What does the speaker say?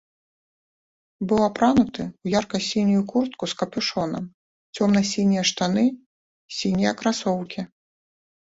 Быў апрануты ў ярка-сінюю куртку з капюшонам, цёмна-сінія штаны, сінія красоўкі.